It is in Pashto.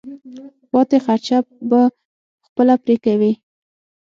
پاتې خرچه به خپله پرې کوې.